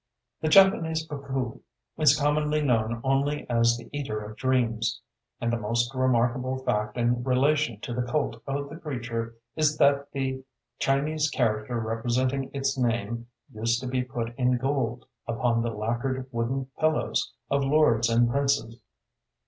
The Japanese Baku is commonly known only as the Eater of Dreams; and the most remarkable fact in relation to the cult of the creature is that the Chinese character representing its name used to be put in gold upon the lacquered wooden pillows of lords and princes.